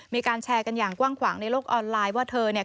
มีการแชร์กันอย่างกว้างขวางในโลกออนไลน์ว่าเธอเนี่ย